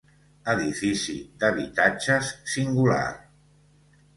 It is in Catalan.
Edifici d'habitatges, singular.